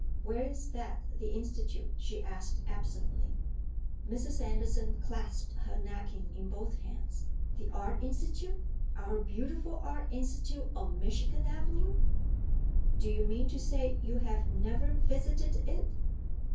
"Where is that, the Institute?" she asked absently. Mrs. Andersen clasped her napkin in both hands. "The Art Institute? Our beautiful Art Institute on Michigan Avenue? Do you mean to say you have never visited it?"